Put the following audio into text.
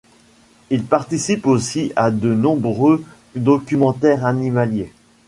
Il participe aussi à de nombreux documentaires animaliers.